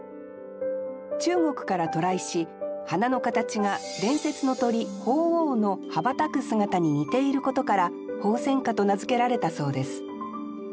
中国から渡来し花の形が伝説の鳥鳳凰の羽ばたく姿に似ていることから鳳仙花と名付けられたそうです。